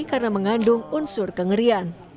karena mengandung unsur kengerian